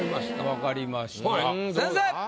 分かりました先生。